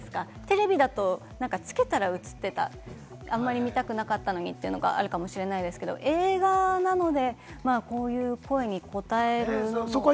テレビだとつけたら映ってた、あんまり見たくなかったのにというのがあるかもしれないですけれども、映画なので、こういう声に応えるのも。